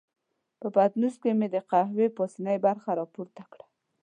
په پتنوس کې مې د قهوې پاسنۍ برخه را پورته کړل.